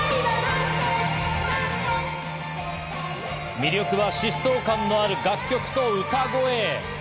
魅力は疾走感のある楽曲と歌声。